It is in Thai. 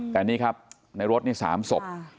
แต่นี่ครับในรถนี่๓ศพ